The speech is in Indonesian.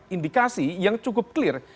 indikasi yang cukup clear